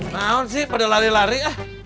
mau sih pada lari lari